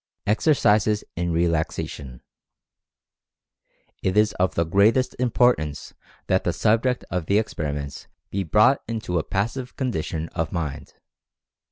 EXERCISES IN RELAXATION. It is of the greatest importance that the subject of the experiments be brought into a passive condition 98 , Mental Fascination of mind.